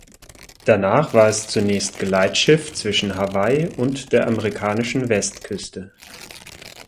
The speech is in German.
Danach war es zunächst Geleitschiff zwischen Hawaii und der amerikanischen Westküste.